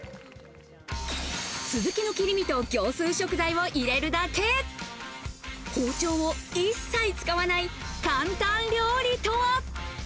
スズキの切り身と業スー食材を入れるだけ、包丁を一切使わない簡単料理とは？